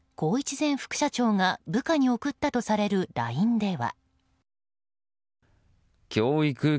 前副社長が部下に送ったとされるＬＩＮＥでは。